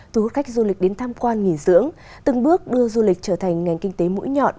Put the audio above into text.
thu hút khách du lịch đến tham quan nghỉ dưỡng từng bước đưa du lịch trở thành ngành kinh tế mũi nhọn